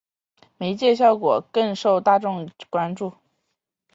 媒介效果研究受众研究